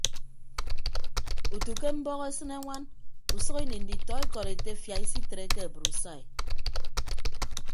Utu ke mbọk esịne añwan usʌk ini nditọ ikọd etefia isitreke abrusai.